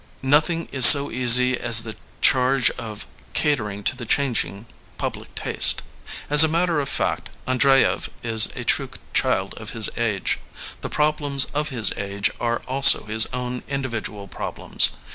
Nothing is so easy as the charge of catering to the changing public taste. As a matter of fact, Andreyev is a true child of his age. The problems of his age are also his own individual problems.